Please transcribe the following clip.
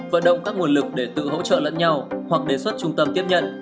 vận động các nguồn lực để tự hỗ trợ lẫn nhau hoặc đề xuất trung tâm tiếp nhận